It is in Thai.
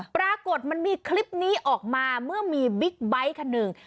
ปรากฏมันมีคลิปนี้ออกมาเมื่อมีบิ๊กไบท์คันหนึ่ง